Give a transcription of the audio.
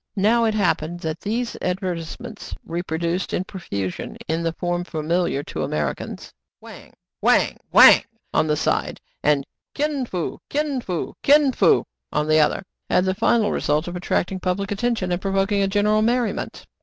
Now it happened that these advertise ments — reproduced in profusion in the form fa miliar to Americans (Wang ! Wang !! Wang !!! on one side, and Kin Fo ! Kin Fo !! Kin Fo !!! on the other) — had the final result of attracting public attention, and provoking general merri ment.